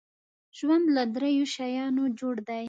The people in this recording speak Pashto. ژوند له دریو شیانو جوړ دی .